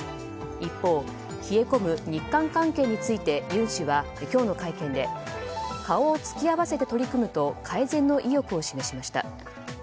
一方、冷え込む日韓関係についてユン氏は今日の会見で顔を突き合わせて取り組むと改善の意欲を示しました。